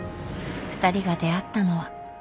ふたりが出会ったのは。